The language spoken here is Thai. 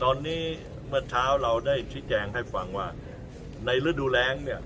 ตอนนี้เมื่อเช้าเราได้ชี้แจงให้ฟังว่าในฤดูแรงเนี่ย